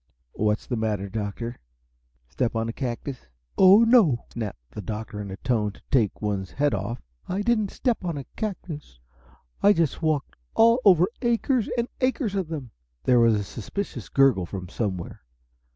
"What's the matter, Doctor? Step on a cactus?" "Oh, no," snapped the Doctor in a tone to take one's head off, "I didn't step on a cactus I just walked all over acres and acres of them!" There was a suspicious gurgle from somewhere.